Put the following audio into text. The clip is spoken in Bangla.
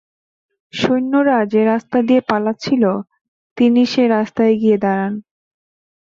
সৈন্যরা যে রাস্তা দিয়ে পালাচ্ছিল তিনি সে রাস্তায় গিয়ে দাঁড়ান।